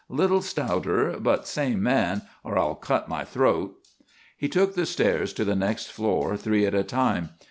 Little stouter, but same man or I'll cut my throat!" He took the stairs to the next floor three at a time.